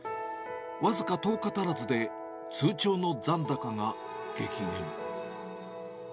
僅か１０日足らずで通帳の残高が激減。